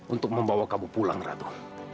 untuk membawa kamu pulang ratu